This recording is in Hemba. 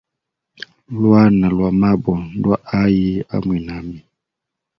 Lwana lwa mabo ndwa ayi a mwinami?